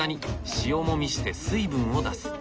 塩もみして水分を出す。